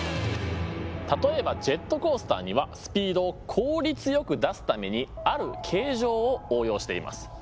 例えばジェットコースターにはスピードを効率よく出すためにある形状を応用しています。